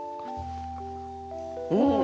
うん！